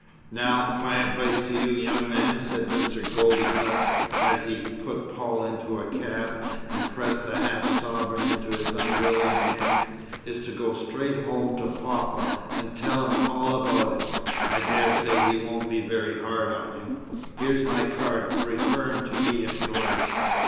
"Now my advice to you, young man," said Mr. Goldicutt, as he put Paul into a cab, and pressed half a sovereign into his unwilling hand, "is to go straight home to Papa and tell him all about it. I daresay he won't be very hard on you here's my card, refer him to me if you like.